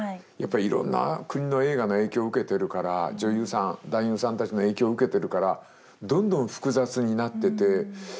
やっぱりいろんな国の映画の影響を受けてるから女優さん男優さんたちの影響を受けてるからどんどん複雑になってて。